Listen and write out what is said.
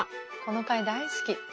この回大好き。